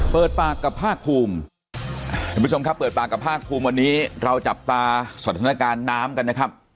เปิดปากกับภาคภูมิท่านผู้ชมครับเปิดปากกับภาคภูมิวันนี้เราจับตาสถานการณ์น้ำกันนะครับ